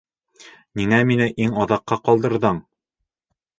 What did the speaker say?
Ниңә мине иң аҙаҡҡа ҡалдырҙың?